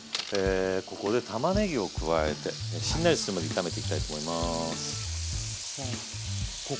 ここでたまねぎを加えてしんなりするまで炒めていきたいと思います。